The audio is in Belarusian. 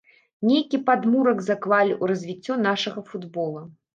Нейкі падмурак заклалі ў развіццё нашага футбола.